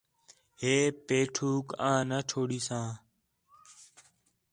ہے پیٹھوک آں نہ چھوڑیساں